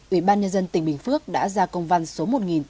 ủy ban nhân dân tỉnh bình phước đã ra công văn số một nghìn tám trăm một mươi bảy